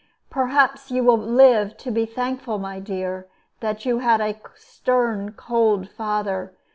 "Perhaps you will live to be thankful, my dear, that you had a stern, cold father.